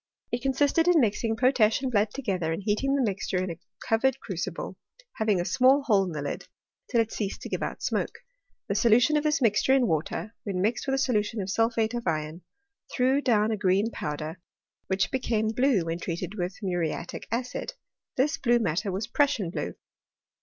It consisted in mixing potash and blood together, and heating the mixture in a covered crucible, having a small hole in the lid,. till it ceased to give out smoke. The solution of this mix ture in water, when mixed with a solution of sulphate of iron, threw down a green powder, which became blue when treated with muriatic acid : this blue mat ter was Prussian blue.